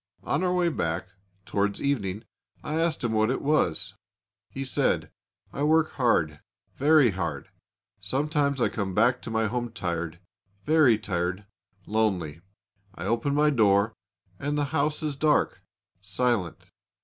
On our way back, towards evening, I asked him what it was. He said, 'I work hard, very hard. Sometimes I come back to my home tired, very tired lonely. I open my door and the house is dark, silent.